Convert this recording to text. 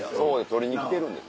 取りに来てるんです。